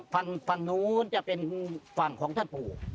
ฝั่งนู้นจะเป็นฝั่งของท่านปู่